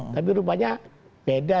tapi rupanya beda